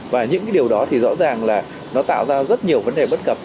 và những cái điều đó thì rõ ràng là nó tạo ra rất nhiều vấn đề bất cập